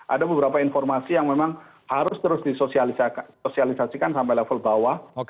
ada beberapa informasi yang memang harus terus disosialisasikan sampai level bawah